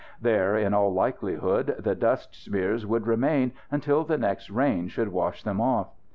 There, in all likelihood, the dust smears would remain until the next rain should wash them off.